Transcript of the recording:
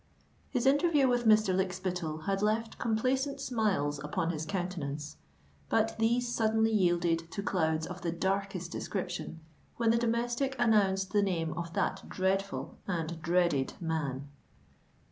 His interview with Mr. Lykspittal had left complacent smiles upon his countenance;—but these suddenly yielded to clouds of the darkest description when the domestic announced the name of that dreadful and dreaded man.